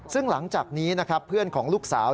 ซึ่งหลังจากนี้นะครับเพื่อนของลูกสาว